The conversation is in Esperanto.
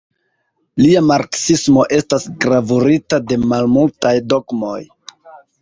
Lia marksismo estas gravurita de malmultaj dogmoj.